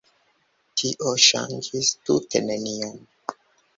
Tio ŝanĝis tute nenion.